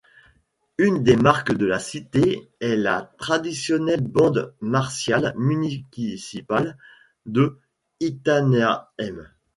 Une des marques de la cité est la traditionnelle Bande Martiale Municipal de Itanhaém.